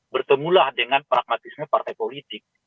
bertemulah dengan pragmatisme partai politik